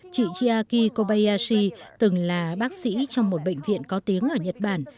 chị chyaki kobayashi từng là bác sĩ trong một bệnh viện có tiếng ở nhật bản